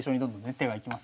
はい。